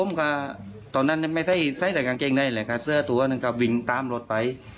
แต่ถ้าไม่จอนก็เยียบเหลวทรายไป